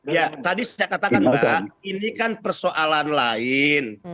ya tadi saya katakan mbak ini kan persoalan lain